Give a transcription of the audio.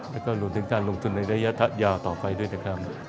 แล้วก็รวมถึงการลงทุนในระยะยาวต่อไปด้วยนะครับ